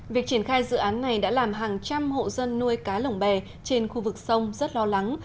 việc triển khai dự án này đã làm hàng trăm hộ dân nuôi cá lồng bè trên khu vực sông rất lo lắng